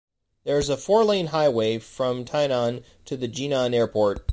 There is a four-lane highway from Tai'an to the Jinan Airport.